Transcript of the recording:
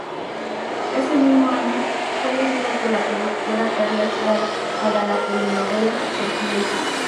Ese mismo año, fue elegida por la productora Carla Estrada para la telenovela "Sortilegio".